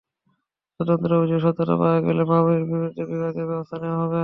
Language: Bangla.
তদন্তে অভিযোগের সত্যতা পাওয়া গেলে মাহবুবুরের বিরুদ্ধে বিভাগীয় ব্যবস্থা নেওয়া হবে।